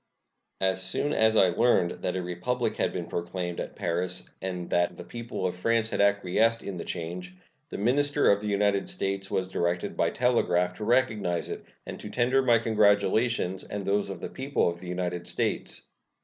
As soon as I learned that a republic had been proclaimed at Paris and that the people of France had acquiesced in the change, the minister of the United States was directed by telegraph to recognize it and to tender my congratulations and those of the people of the United States.